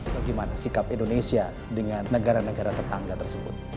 bagaimana sikap indonesia dengan negara negara tetangga tersebut